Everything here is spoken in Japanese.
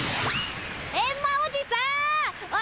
エンマおじさんおれ